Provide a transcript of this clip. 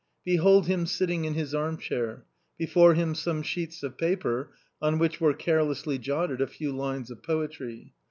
Behold him sitting in his armchair ! Before him some sheets of paper, on which were carelessly jotted a few lines of poetry.